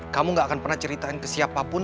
kamu gak akan pernah ceritain ke siapapun